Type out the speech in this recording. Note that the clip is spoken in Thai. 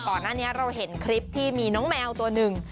ก่อนหน้านี้เราเห็นคลิปที่มีน้องแมวตัวหนึ่ง